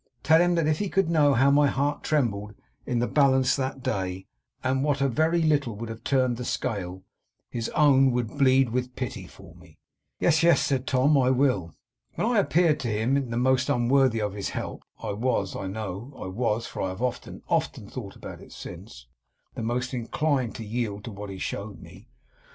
Tell him that if he could know how my heart trembled in the balance that day, and what a very little would have turned the scale, his own would bleed with pity for me.' 'Yes, yes,' said Tom, 'I will.' 'When I appeared to him the most unworthy of his help, I was I know I was, for I have often, often, thought about it since the most inclined to yield to what he showed me.